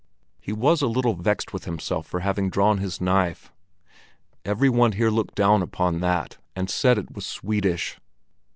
He was a little vexed with himself for having drawn his knife. Every one here looked down upon that, and said it was Swedish.